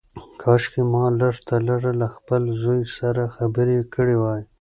کاشکي ما لږ تر لږه له خپل زوی سره خبرې کړې وای.